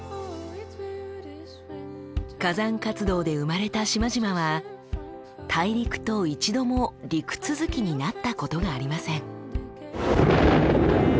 火山活動で生まれた島々は大陸と一度も陸続きになったことがありません。